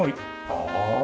ああ。